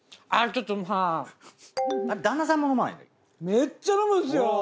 めっちゃ飲むんすよ！